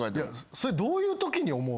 それどういうときに思う？